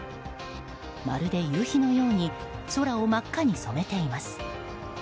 まるで夕日のように空を真っ赤に染めています。